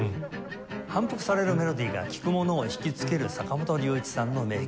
反復されるメロディが聴く者を引きつける坂本龍一さんの名曲。